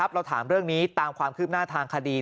เราถามเรื่องนี้ตามความคืบหน้าทางคดี